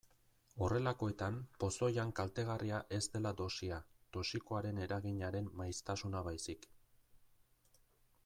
Horrelakoetan pozoian kaltegarria ez dela dosia, toxikoaren eraginaren maiztasuna baizik.